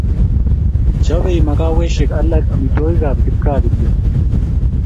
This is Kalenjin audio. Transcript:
Chobei makawesiek alake amitwogikab kipkaa kityo